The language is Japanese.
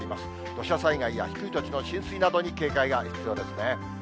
土砂災害や低い土地の浸水などに警戒が必要ですね。